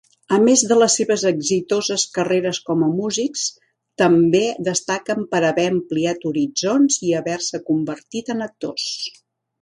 A més de les seves exitoses carreres com a músics, també destaquen per haver ampliat horitzons i haver-se convertit en actors.